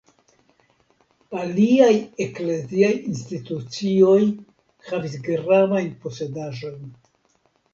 Aliaj ekleziaj institucioj havis gravajn posedaĵojn.